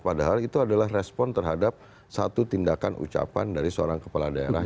padahal itu adalah respon terhadap satu tindakan ucapan dari seorang kepala daerah